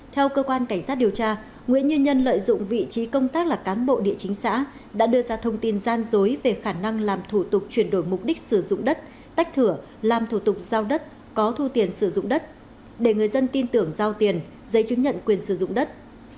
theo cơ quan cảnh sát điều tra nguyễn như nhân lợi dụng vị trí công tác là cán bộ địa chính xã đã đưa ra thông tin gian dối về khả năng làm thủ tục chuyển đổi mục đích sử dụng đất tách thửa làm thủ tục giao đất có thu tiền sử dụng đất để người dân tin tưởng giao tiền giấy chứng nhận quyền sử dụng đất